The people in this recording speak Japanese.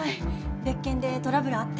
別件でトラブルあって。